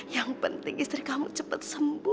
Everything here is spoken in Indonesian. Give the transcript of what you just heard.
yang penting istri kamu cepat sembuh